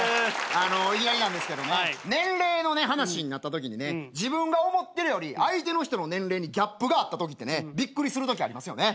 いきなりなんですけどね年齢の話になったときにね自分が思ってるより相手の人の年齢にギャップがあったときってびっくりするときありますよね。